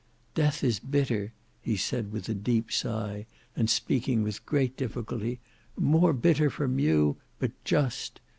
Death is bitter," he said with a deep sigh, and speaking with great difficulty, "more bitter from you; but just.